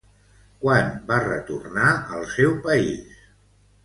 Quan va retornar al seu país?